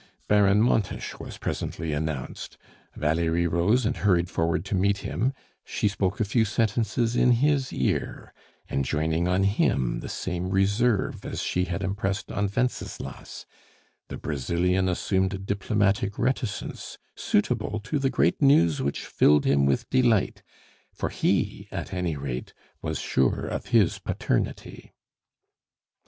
Baron Montes was presently announced; Valerie rose and hurried forward to meet him; she spoke a few sentences in his ear, enjoining on him the same reserve as she had impressed on Wenceslas; the Brazilian assumed a diplomatic reticence suitable to the great news which filled him with delight, for he, at any rate was sure of his paternity.